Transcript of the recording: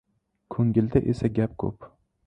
Ko‘ngilda esa gap ko‘p.